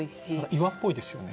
岩っぽいですよね。